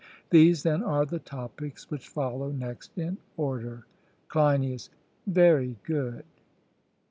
These then are the topics which follow next in order. CLEINIAS: Very good.